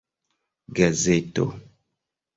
gazeto